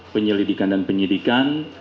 penyelidikan dan penyidikan